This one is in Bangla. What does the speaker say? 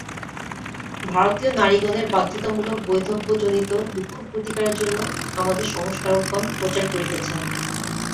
ভারতীয় নারীগণের বাধ্যতামূলক বৈধব্যজনিত দুঃখ প্রতিকারের জন্য আমাদের সংস্কারকগণ প্রচার করিতেছেন।